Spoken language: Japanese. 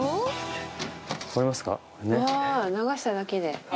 わー、流しただけで。